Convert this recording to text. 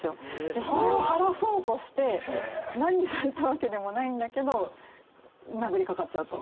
それを晴らそうとして何されたわけでもないんだけど殴り掛かっちゃうと。